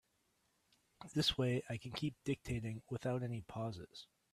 This way I can keep dictating without any pauses.